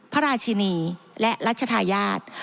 พระราชินีลัทธาญาตร